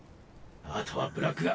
あとはブラックが。